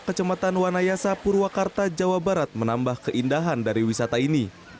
kecamatan wanayasa purwakarta jawa barat menambah keindahan dari wisata ini